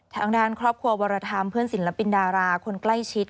ทางด้านครอบครัววรธรรมเพื่อนศิลปินดาราคนใกล้ชิด